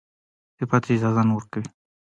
صحت يې اجازه نه ورکوي چې اتلس ساعته کار وکړي.